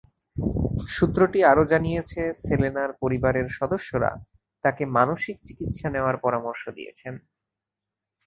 সূত্রটি আরও জানিয়েছে, সেলেনার পরিবারের সদস্যরা তাঁকে মানসিক চিকিৎসা নেওয়ার পরামর্শ দিয়েছেন।